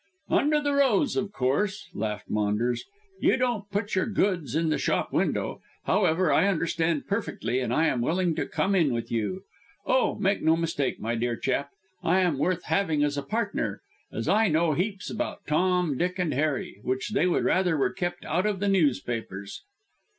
"Under the rose, of course," laughed Maunders. "You don't put your goods in the shop window. However, I understand perfectly, and I am willing to come in with you. Oh, make no mistake, my dear chap, I am worth having as a partner, as I know heaps about Tom, Dick, and Harry, which they would rather were kept out of the newspapers."